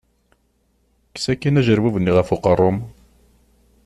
Kkes akin ajerbub-nni ɣef uqerru-m.